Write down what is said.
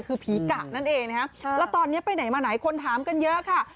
คือผีกะนั่นเองนะคะแล้วตอนนี้ไปไหนมาไหนคนถามกันเยอะค่ะ